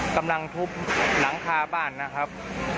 กำลังทุบหลังคาบ้านนะครับ